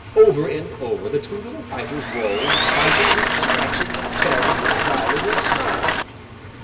Over and over the two little fighters rolled, biting and scratching and tearing and growling and snarling.